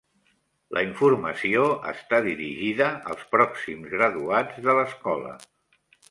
La informació està dirigida als pròxims graduats de l'escola.